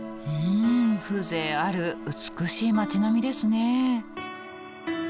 うん風情ある美しい町並みですね。